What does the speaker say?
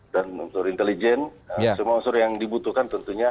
dan untuk intelijen semua unsur yang dibutuhkan tentunya